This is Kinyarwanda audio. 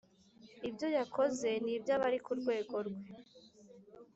Ibyo yakoze ni iby’abari ku rwego rwe